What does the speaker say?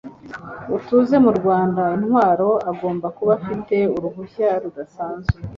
utunze mu rwanda intwaro agomba kuba afite uruhushya rudasanzwe